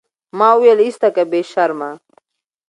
ما وويل ايسته که بې شرمه.